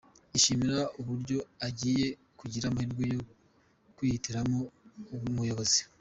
Yishimira uburyo agiye kugira amahirwe yo kwihitiramo umuyobozi.